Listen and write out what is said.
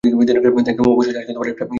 Thank you, অবশেষে আজকে একটা ইতিবাচক কিছু ঘটল!